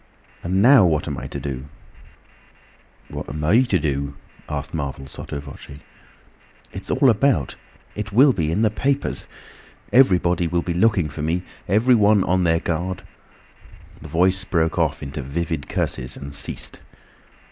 And now what am I to do?" "What am I to do?" asked Marvel, sotto voce. "It's all about. It will be in the papers! Everybody will be looking for me; everyone on their guard—" The Voice broke off into vivid curses and ceased.